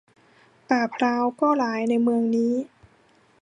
ป่าพร้าวก็หลายในเมืองนี้